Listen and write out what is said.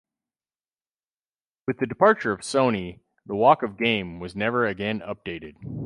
With the departure of Sony, the Walk of Game was never again updated.